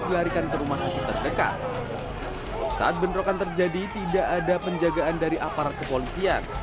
dilarikan ke rumah sakit terdekat saat bentrokan terjadi tidak ada penjagaan dari aparat kepolisian